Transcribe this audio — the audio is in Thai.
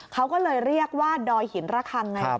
เขาก็เลยเรียกว่าดอยหินระคังไง